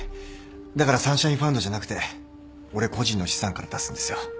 だからサンシャインファンドじゃなくて俺個人の資産から出すんですよ。